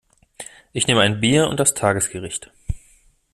Ich nehme ein Bier und das Tagesgericht.